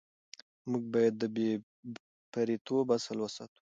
موږ باید د بې پرېتوب اصل وساتو.